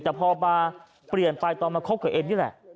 แต่พอมาเปลี่ยนไปตอนมาคบกับเอ็มนี่แหละ